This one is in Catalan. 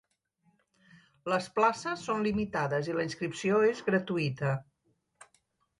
Les places són limitades i la inscripció és gratuïta.